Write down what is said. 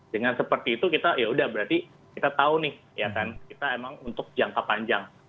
dengan seperti itu kita yaudah berarti kita tahu nih ya kan kita emang untuk jangka panjang